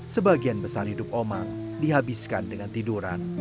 sebagian besar hidup omang dihabiskan dengan tiduran